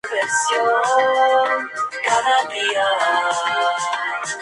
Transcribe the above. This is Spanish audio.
La Dama enmascarada deja finalmente que la Niña entre a esta habitación.